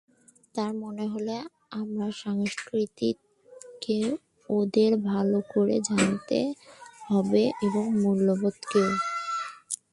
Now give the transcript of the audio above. তার মানে হলো, আমার সংস্কৃতিকে ওদের ভালো করে জানতে হবে এবং মূল্যবোধকেও।